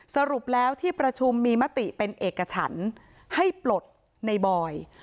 สรุปแล้วที่ประชุมมีมติเป็นเอกฉันให้ปลดในบอย